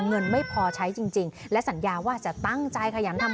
โอ๋นี่แหละค่ะเจ้าของร้านบอกแบบนี้